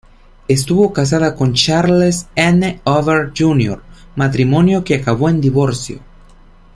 Estuvo casada con Charles N. Over Jr., matrimonio que acabó en divorcio.